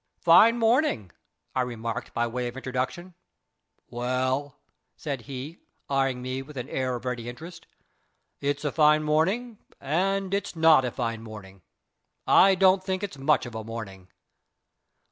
"Fine morning," I remarked, by way of introduction. "Well," said he, eyeing me with an air of ready interest, "it's a fine morning and it's not a fine morning. I don't think it's much of a morning."